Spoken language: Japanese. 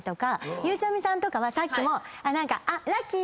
ゆうちゃみさんはさっきも「ラッキー！